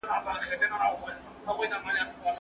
زه به ولي ځورول سوی وای .